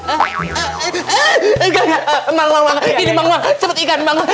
eeh eeh eeeh iya iya emang emang ini emang emang cepet igan emang